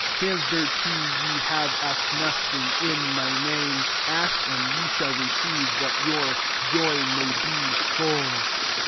24 Hitherto, ye have asked nothing in my name : ask, and ye shall receive, that your joy may be full.